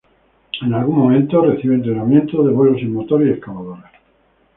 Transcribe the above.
En algún momento recibe entrenamiento de vuelo en helicópteros, tanques y armas nucleares.